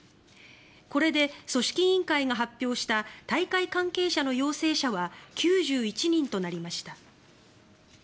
これで組織委員会が発表した大会関係者の陽性者は９１人となりました。